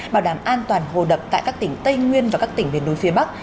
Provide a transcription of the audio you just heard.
bảo đảm an toàn hồ đập tại các tỉnh tây nguyên và các tỉnh biển núi phía bắc